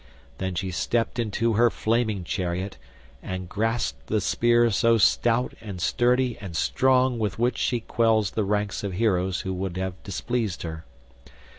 Then she stepped into her flaming chariot, and grasped the spear so stout and sturdy and strong with which she quells the ranks of heroes who have displeased her.